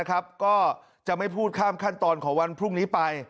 ก็จะไม่พูดข้ามขั้นตอนของวันพรุ่งนี้ไป